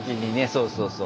そうそうそう。